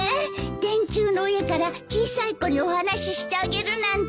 電柱の上から小さい子にお話ししてあげるなんて。